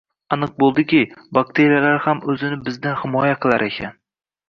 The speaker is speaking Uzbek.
Aniq bo‘ldiki, bakteriyalar ham o‘zini bizdan himoya qilar ekan: